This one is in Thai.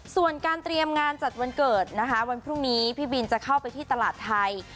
ส่วนการเตรียมงานจัดวันเกิดนะคะวันพรุ่งนี้พี่บินจะเข้าไปที่ตลาดไทย